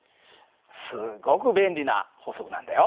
すっごく便利な法則なんだよ。